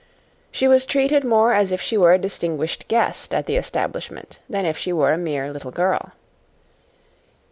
She was treated more as if she were a distinguished guest at the establishment than as if she were a mere little girl.